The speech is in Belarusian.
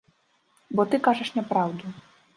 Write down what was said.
Бо ты кажаш няпраўду.